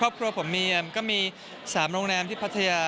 ครอบครัวผมมีก็มี๓โรงแรมที่พัทยา